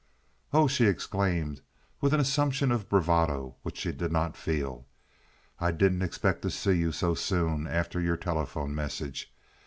"Oh!" she exclaimed, with an assumption of bravado which she did not feel. "I didn't expect to see you so soon after your telephone message.